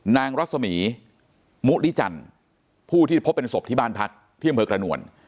รัศมีมุริจันทร์ผู้ที่พบเป็นศพที่บ้านพักที่อำเภอกระนวล